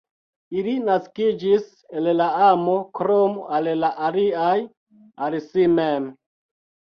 Ili naskiĝis el la amo, krom al la aliaj, al si mem.